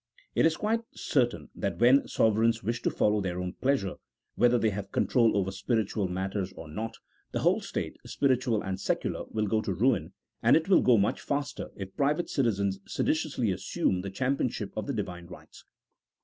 " It is quite cer tain that when sovereigns wish to follow their own pleasure, whether they have control over spiritual matters or not, the '254 . THE0L0GIC0 P0LITICAL TREATISE. [CHAP. XIX. whole state, spiritual and secular, will go to ruin, and it will go much faster if private citizens seditiously assume the championship of the Divine rights.